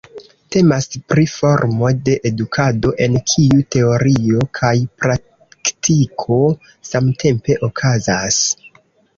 Temas pri formo de edukado en kiu teorio kaj praktiko samtempe okazas.